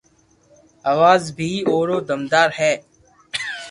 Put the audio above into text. آواز بي او رو دمدار ھي